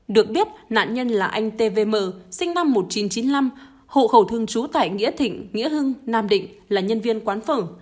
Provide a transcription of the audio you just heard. được biết nạn nhân là anh t v m sinh năm một nghìn chín trăm chín mươi năm hộ khẩu thương trú tại nghĩa thịnh nghĩa hưng nam định là nhân viên quán phở